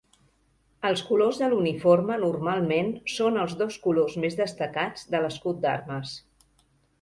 Els colors de l'uniforme normalment són els dos colors més destacats de l'escut d'armes.